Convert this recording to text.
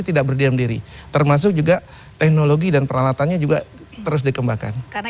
tidak berdiam diri termasuk juga teknologi dan peralatannya juga terus dikembangkan karena